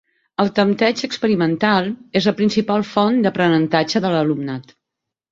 El tempteig experimental és la principal font d'aprenentatge de l'alumnat.